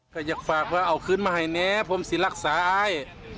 ก็อยากฝากว่าเอาคืนมาให้แน่ผมสิรักษาอาย